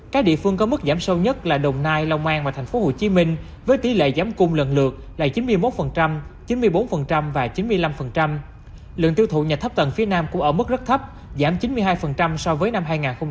các địa phương có mức giảm sâu nhất là đồng nai long an và tp hcm với tỷ lệ giảm cung lần lượt là chín mươi một chín mươi bốn và chín mươi năm lượng tiêu thụ nhà thấp tầng phía nam cũng ở mức rất thấp giảm chín mươi hai so với năm hai nghìn một mươi tám